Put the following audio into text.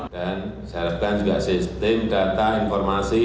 dan saya harapkan juga sistem data informasi